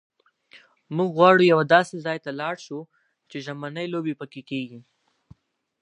موږ غواړو یوه داسې ځای ته ولاړ شو چې ژمنۍ لوبې پکښې کېږي.